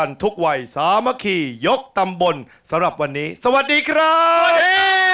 วันนี้สวัสดีครับสวัสดีครับ